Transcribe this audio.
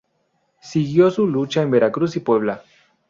Siguió su lucha en Veracruz y Puebla.